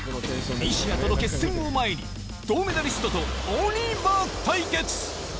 西矢との決戦を前に、銅メダリストとオーリーバー対決。